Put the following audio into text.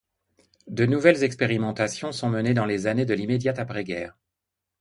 De nouvelles expérimentations sont menées dans les années de l'immédiat après-guerre.